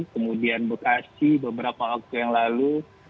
kemudian bekasi beberapa waktu yang lalu